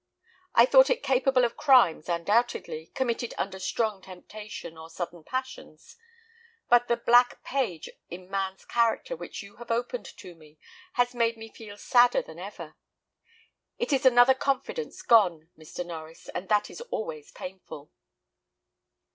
I thought it capable of crimes, undoubtedly, committed under strong temptation or sudden passions; but the black page in man's character which you have opened to me, has made me feel sadder than ever. It is another confidence gone, Mr. Norries, and that is always painful."